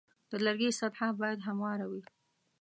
د لرګي سطحه باید همواره وي.